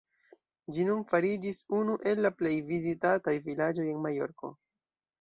Ĝi nun fariĝis unu el la plej vizitataj vilaĝoj en Majorko.